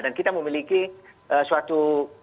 dan kita memiliki suatu